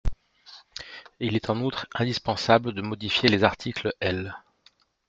Il est en outre indispensable de modifier les articles L.